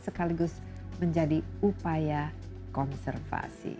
sekaligus menjadi upaya konservasi